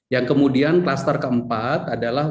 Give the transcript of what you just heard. yang kemudian klaster keempat adalah